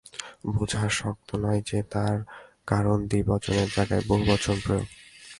বোঝা শক্ত নয় যে, তার কারণ দ্বিবচনের জায়গায় বহুবচন প্রয়োগ।